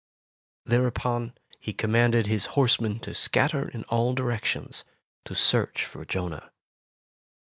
Thereupon he com manded his horsemen to scatter in all directions, to search for Jonah.